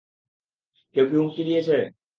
কেউ কী হুমকি দিয়েছে?